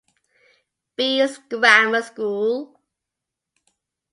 Bees Grammar School.